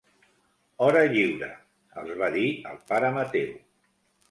Hora lliure —els va dir el pare Mateu—.